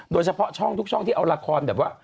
โดยเฉพาะช่องทุกช่องที่เอาละครแบบว่า